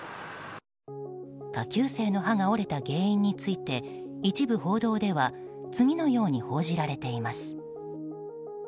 下級生の歯が折れた原因について一部報道では次のように報じられています。